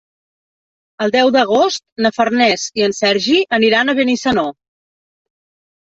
El deu d'agost na Farners i en Sergi aniran a Benissanó.